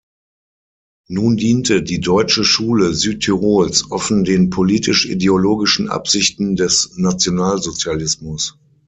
Nun diente die deutsche Schule Südtirols offen den politisch-ideologischen Absichten des Nationalsozialismus.